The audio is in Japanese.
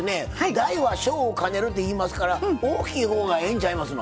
大は小を兼ねるって言いますから大きいほうがええんちゃいますの？